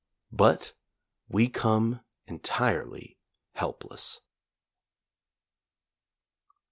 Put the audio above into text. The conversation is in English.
But we come entirely helpless.